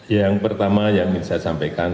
yang pertama yang ingin saya sampaikan